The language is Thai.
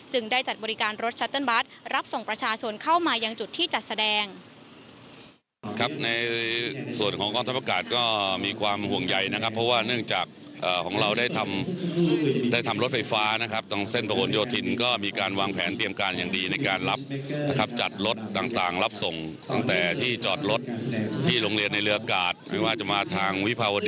ได้จัดบริการรถชัตเติ้ลบัตรรับส่งประชาชนเข้ามายังจุดที่จัดแสดง